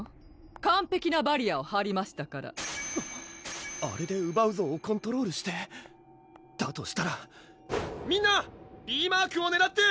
完璧なバリアーをはりましたからあれでウバウゾーをコントロールしてだとしたらみんなＢマークをねらって！